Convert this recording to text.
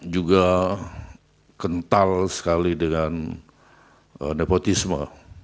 juga kental sekali dengan nepotisme